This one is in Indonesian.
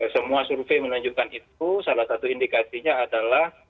semua survei menunjukkan itu salah satu indikasinya adalah